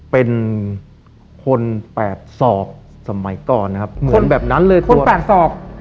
เป็นคนแปดศอกสมัยก่อนนะครับเหมือนคนแบบนั้นเลยคนแปดศอก